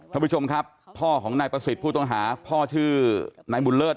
ท่านผู้ชมครับพ่อของนายประสิทธิ์ผู้ต้องหาพ่อชื่อนายบุญเลิศ